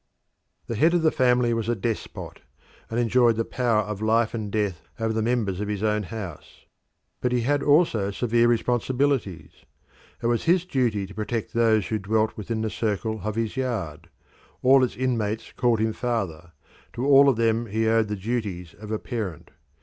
The head of the family was a despot, and enjoyed the power of life and death over the members of his own house. But he had also severe responsibilities. It was his duty to protect those who dwelt within the circle of his yard; all its inmates called him father; to all of them he owed the duties of a parent.